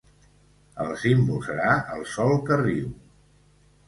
El símbol serà el sol que riu.